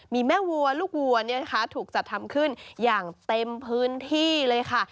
มีแม่วัวลูกวัวถูกจัดทำขึ้นอย่างเต็มพื้นที่เลยค่ะ